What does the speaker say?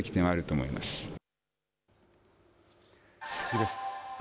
次です。